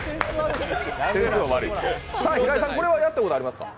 平井さん、これはやったことありますか？